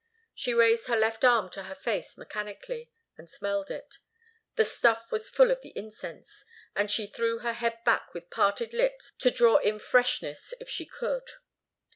She raised her left arm to her face mechanically, and smelled it. The stuff was full of the incense, and she threw her head back with parted lips, to draw in freshness if she could.